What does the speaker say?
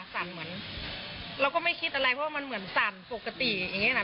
สั่นเหมือนเราก็ไม่คิดอะไรเพราะว่ามันเหมือนสั่นปกติอย่างนี้ค่ะ